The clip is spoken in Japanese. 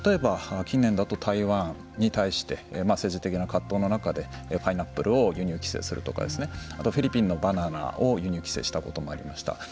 例えば、近年だと台湾に対して政治的な葛藤の中でパイナップルを輸入規制するとかフィリピンのバナナを輸入規制したこともありました。